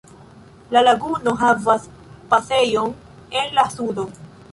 La laguno havas pasejon en la sudo.